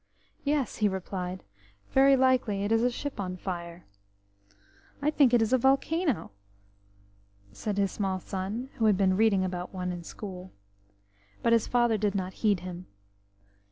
"Yes," he replied; "very likely it is a ship on fire." "I think it's a volcano," said his small son, who had been reading about one at school. But his father did not heed him.